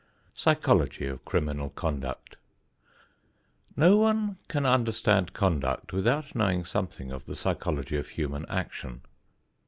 VI PSYCHOLOGY OF CRIMINAL CONDUCT No one can understand conduct without knowing something of the psychology of human action.